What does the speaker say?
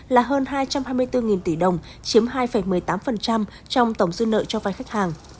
là hơn hai trăm hai mươi bốn tỷ đồng chiếm hai một mươi tám trong tổng dư nợ cho vai khách hàng